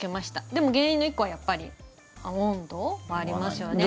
でも原因の１個はやっぱり温度もありますよね。